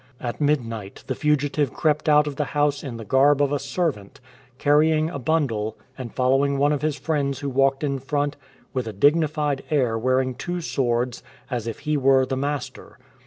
At mid night the fugitive crept out of the house in the garb of a servant, carrying a bundle and following one of his friends who walked in front with a dignified air wearing two swords, as if he were the master.